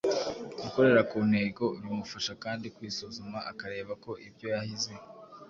gukorera ku ntego. Bimufasha kandi kwisuzuma akareba ko ibyo yahize